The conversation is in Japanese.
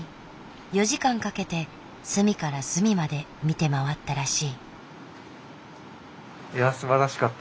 ４時間かけて隅から隅まで見て回ったらしい。